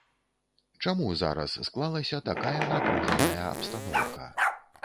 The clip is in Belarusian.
Чаму зараз склалася такая напружаная абстаноўка?